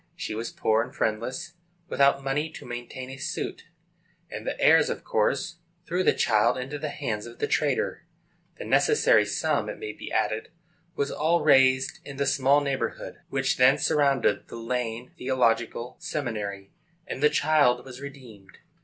She was poor and friendless, without money to maintain a suit, and the heirs, of course, threw the child into the hands of the trader. The necessary sum, it may be added, was all raised in the small neighborhood which then surrounded the Lane Theological Seminary, and the child was redeemed.